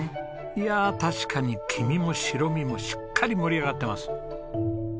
いやあ確かに黄身も白身もしっかり盛り上がってます。